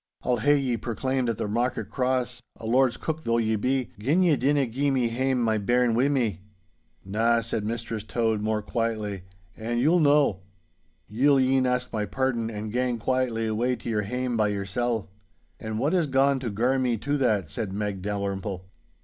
I'll hae ye proclaimed at the market cross, a lord's cook though ye be, gin ye dinna gie me hame my bairn wi' me!' 'Na,' said Mistress Tode, more quietly, 'an' you'll no. Ye'll e'en ask my pardon and gang quietly away to your hame by yoursel. 'And wha is gaun to gar me to that?' said Meg Dalrymple.